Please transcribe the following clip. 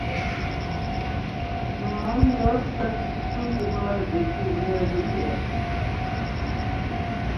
Mɔ ńdɔɔsɛ́ ŋ́kúpmɛ zʉꞌ gʉ nɛ zʉꞌ ndɛꞌ ɛ.